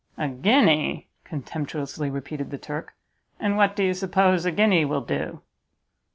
"A guinea?" contemptuously repeated the Turk, "and what do you suppose a guinea will do?"